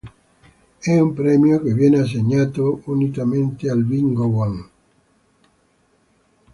È un premio che viene assegnato unitamente al bingo one.